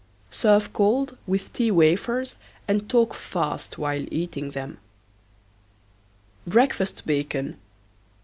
Serve cold with tea wafers and talk fast while eating them. BREAKFAST BACON.